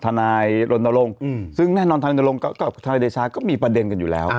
ทนายรณรงค์ซึ่งแน่นอนธนายนรงค์กับทนายเดชาก็มีประเด็นกันอยู่แล้ว